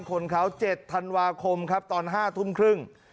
คนเขา๗ธันวาคมครับตอน๕ทุ่มครึ่ง